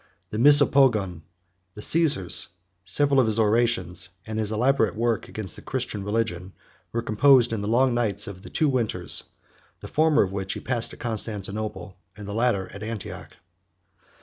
The Misopogon, the Cæsars, several of his orations, and his elaborate work against the Christian religion, were composed in the long nights of the two winters, the former of which he passed at Constantinople, and the latter at Antioch.